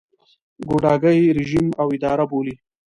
ګوډاګی رژیم او اداره بولي.